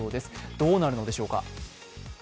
どうなるのでしょうか。